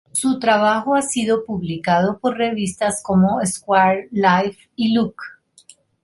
Su trabajo ha sido publicado por revistas como "Esquire", "Life", y "Look".